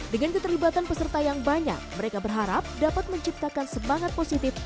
dengan keterlibatan peserta yang banyak mereka berharap dapat menciptakan semangat positif